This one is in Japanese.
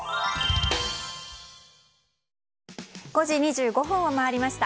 ５時２５分を回りました。